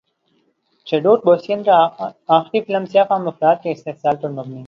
Chadwick Boseman کی اخری film سیاہ فام افراد کے استحصال پر مبنی